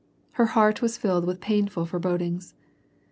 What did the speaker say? Her heart was tilled with painful forebodings.